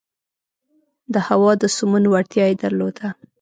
د هوا د سمون وړتیا یې درلوده.